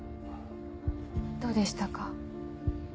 どうでしたか？